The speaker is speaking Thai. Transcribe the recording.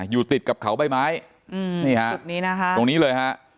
อยู่ติดกับเขาใบไม้ตรงนี้เลย